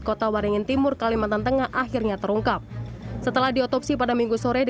kota waringin timur kalimantan tengah akhirnya terungkap setelah diotopsi pada minggu sore di